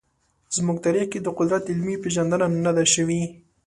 زموږ تاریخ کې د قدرت علمي پېژندنه نه ده شوې.